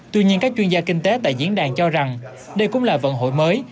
tuy nhiên các chuyên gia kinh tế tại diễn đàn cho rằng đây cũng là vận hội mới